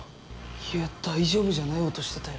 いや大丈夫じゃない音してたよ？